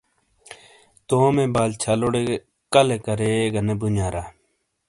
تومے بال چھلوڑے کَلے کرے گہ نے بُنیارا۔